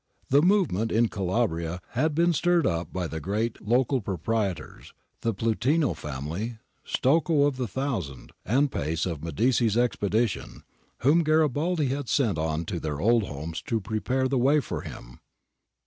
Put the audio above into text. The movement in Calabria had been stirred up by the great local proprietors — the Plutino family, Stocco of the Thousand, and Pace of Medici's expedition, whom Garibaldi had sent on to their old homes to prepare the way before him.